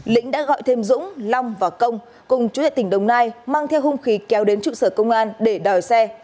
lĩnh đã gọi thêm dũng long và công cùng chủ hệ tỉnh đồng nai mang theo hung khí kéo đến trụ sở công an để đòi xe